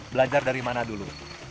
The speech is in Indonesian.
belajar dari mana dulu